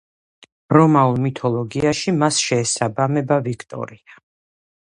რომაულ მითოლოგიაში მას შეესაბამება ვიქტორია.